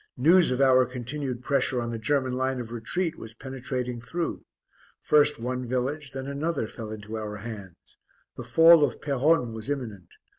News of our continued pressure on the German line of retreat was penetrating through. First one village, then another fell into our hands. The fall of Peronne was imminent.